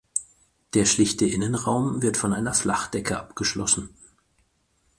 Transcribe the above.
Der schlichte Innenraum wird von einer Flachdecke abgeschlossen.